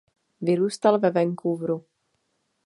Vyrůstal ve Vancouveru.